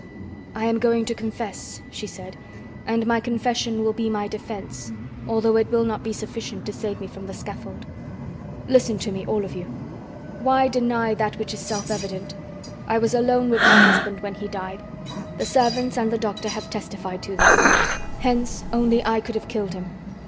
"I am going to confess," she said, "and my confession will be my defense, although it will not be sufficient to save me from the scaffold. Listen to me, all of you! Why deny that which is self evident? I was alone with my husband when he died. The servants and the doctor have testified to this. Hence, only I could have killed him.